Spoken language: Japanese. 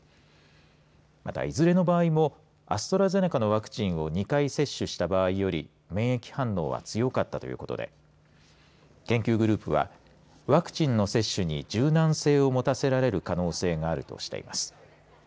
また、いずれの場合もアストラゼネカのワクチンを２回接種した場合より免疫反応は強かったということで研究グループはワクチンの接種に柔軟性をもたせられる可能性があるとしています。